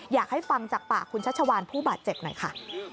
อยากให้ฟังจากปากคุณชัชวานผู้บาดเจ็บหน่อยค่ะ